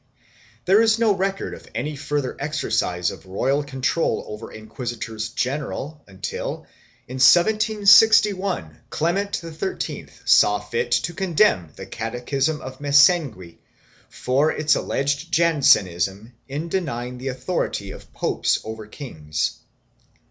3 There is no record of any further exercise of royal control over inquisitors general until, in 1761, Clement XIII saw fit to con demn the Catechism of Mesengui for its alleged Jansenism in denying the authority of popes over kings.